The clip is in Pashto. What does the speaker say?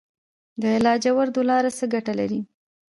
د لاجوردو لاره څه ګټه لري؟